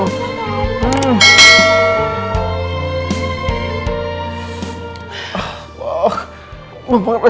papa udah papa tenang